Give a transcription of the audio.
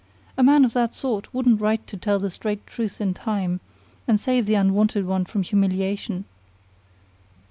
A man of that sort wouldn't write to tell the straight truth in time, and save the unwanted one from humiliation."